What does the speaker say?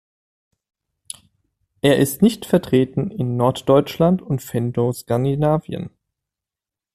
Er ist nicht vertreten in Norddeutschland und Fennoskandinavien.